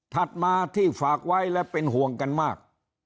มาที่ฝากไว้และเป็นห่วงกันมาก